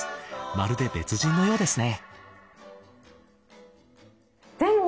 まるで別人のようですね。